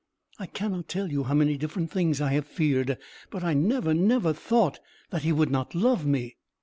I cannot tell you how many different things I have feared: but I never, never thought that he would not love me.